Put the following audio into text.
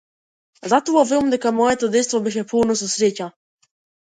Затоа велам дека моето детство беше полно со среќа.